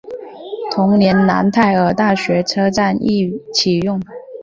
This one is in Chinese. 同年楠泰尔大学车站亦启用。